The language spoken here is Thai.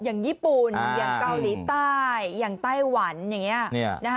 อย่างญี่ปุ่นอย่างเกาหลีใต้อย่างไต้หวันอย่างนี้